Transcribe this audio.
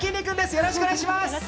よろしくお願いします。